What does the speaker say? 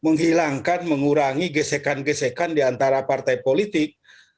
menghilangkan mengurangi gesekan gesekan diantara partai politik